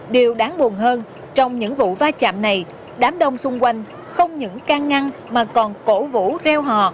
điều đáng buồn hơn trong những vụ va chạm này đám đông xung quanh không những can ngăn mà còn cổ vũ reo hò